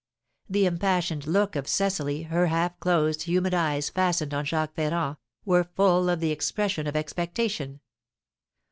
The impassioned look of Cecily, her half closed, humid eyes fastened on Jacques Ferrand, were full of the expression of expectation.